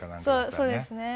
そうですね。